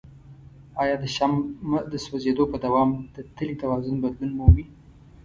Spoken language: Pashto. آیا د شمع د سوځیدو په دوام د تلې توازن بدلون مومي؟